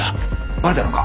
バレたのか？